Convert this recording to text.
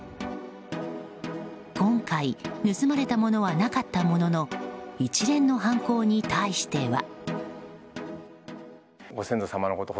今回、盗まれたものはなかったものの一連の犯行に対しては。